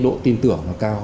độ tin tưởng nó cao